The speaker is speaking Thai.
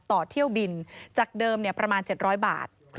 ต่อเที่ยวบินจากเดิมประมาณ๗๐๐บาท